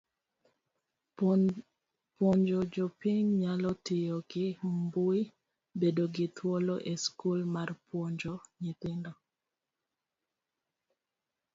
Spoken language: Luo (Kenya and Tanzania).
Puonjo jopiny nyalo tiyo gi mbui, bedo gi thuolo e skul mar puonjo nyithindo.